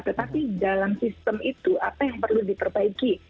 tetapi dalam sistem itu apa yang perlu diperbaiki